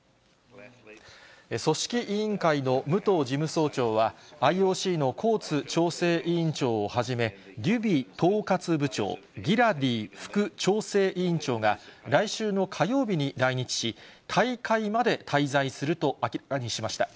組織委員会の武藤事務総長は、ＩＯＣのコーツ調整委員長をはじめ、デュビ統括部長、ギラディ副調整委員長が来週の火曜日に来日し、大会まで滞在すると明らかにしました。